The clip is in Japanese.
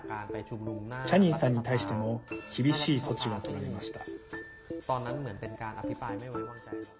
チャニンさんに対しても厳しい措置がとられました。